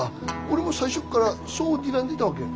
俺も最初からそうにらんでいたわけ。